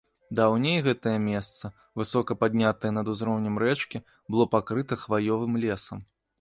Даўней гэтае месца, высока паднятае над узроўнем рэчкі, было пакрыта хваёвым лесам.